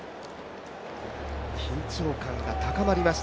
緊張感が高まりました、